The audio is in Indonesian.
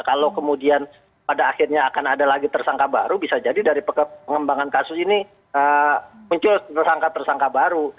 kalau kemudian pada akhirnya akan ada lagi tersangka baru bisa jadi dari pengembangan kasus ini muncul tersangka tersangka baru